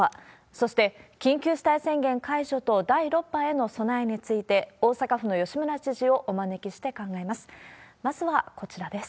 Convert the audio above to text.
そして、緊急事態宣言解除と、第６波への備えについて、大阪府の吉村知事をお招きして考えます。